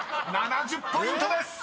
［７０ポイントです。